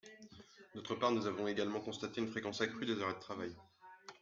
D’autre part, nous avons également constaté une fréquence accrue des arrêts de travail.